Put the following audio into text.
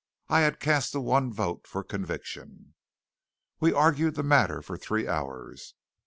I had cast the one vote for conviction. We argued the matter for three hours.